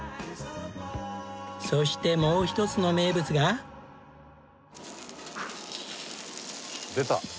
そしてもう一つの名物が。出た。